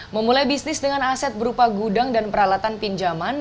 memulai bisnis dengan aset berupa gudang dan peralatan pinjaman